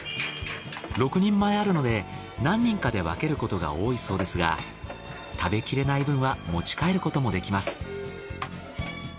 ６人前あるので何人かで分けることが多いそうですが食べきれない分は持ち帰ることもできます。